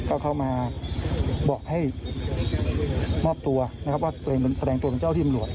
ก็เข้ามาบอกให้มอบตัวนะครับว่าตัวเองแสดงตัวเป็นเจ้าที่ตำรวจ